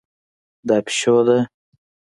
دا پیشو ده